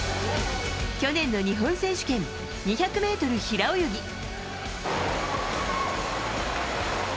去年の日本選手権２００ｍ平泳ぎ。